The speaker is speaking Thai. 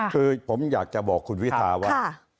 คือผมอยากจะบอกคุณวิทาว่า